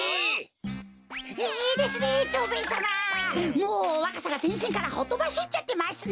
もうわかさがぜんしんからほとばしっちゃってますね。